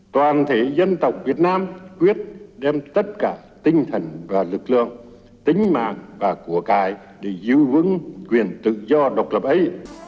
toàn thể dân tộc việt nam quyết đem tất cả tinh thần và lực lượng tính mạng và của cái để giữ vững quyền tự do độc lập ấy